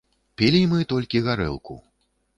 Пілі мы толькі гарэлку.